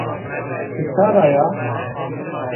Ti ça ra ya?